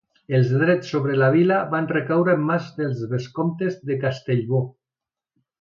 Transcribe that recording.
Els drets sobre la vila van recaure en mans dels vescomtes de Castellbò.